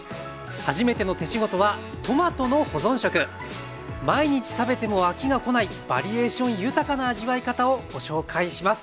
「はじめての手仕事」は毎日食べても飽きがこないバリエーション豊かな味わい方をご紹介します。